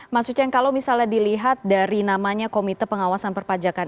mas uceng kalau misalnya dilihat dari namanya komite pengawasan perpajakan